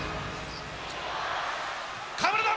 河村だ。